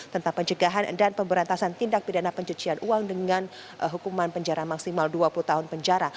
tentang pencegahan dan pemberantasan tindak pidana pencucian uang dengan hukuman penjara maksimal dua puluh tahun penjara